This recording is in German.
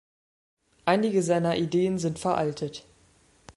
Einige seiner Ideen sind veraltet.